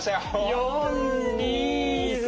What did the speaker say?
４２３４。